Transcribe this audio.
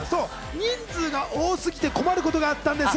人数が多すぎて困ることがあったんです。